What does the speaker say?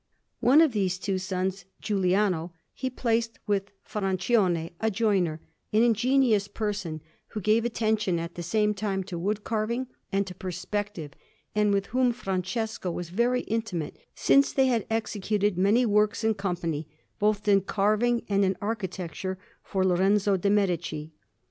One of these two sons, Giuliano, he placed with Francione, a joiner, an ingenious person, who gave attention at the same time to wood carving and to perspective, and with whom Francesco was very intimate, since they had executed many works in company, both in carving and in architecture, for Lorenzo de' Medici.